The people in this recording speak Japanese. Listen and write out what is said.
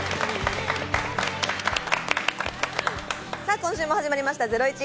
今週も始まりました『ゼロイチ』。